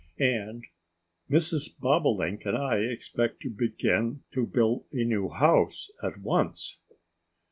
and "Mrs. Bobolink and I expect to begin to build a new house at once!"